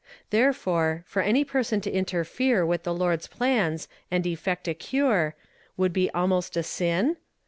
Therefore, for any person to interfere with the Lord's plans and effect a cure — would be almost a sin?